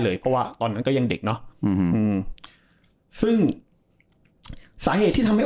เพราะว่าตอนนั้นก็ยังเด็กเนอะอืมซึ่งสาเหตุที่ทำให้